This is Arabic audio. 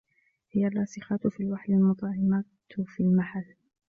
هِيَ الرَّاسِخَاتُ فِي الْوَحْلِ الْمَطْعِمَاتُ فِي الْمَحَلِّ